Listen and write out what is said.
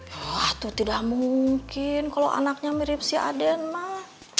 wah itu tidak mungkin kalau anaknya mirip si aden mah